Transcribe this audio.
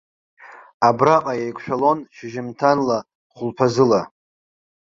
Абраҟа еиқәшәалон шьжьымҭанла, хәылԥазыла.